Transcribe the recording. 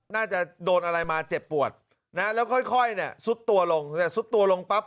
น่าจะโดนอะไรมาเจ็บปวดแล้วค่อยสู้ตัวลงลงปรับ